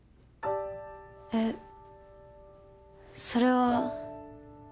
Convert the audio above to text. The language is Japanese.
えっそれは。